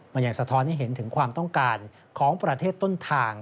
มันยังสะท้อนให้เห็นถึงความต้องการของประเทศต้นทาง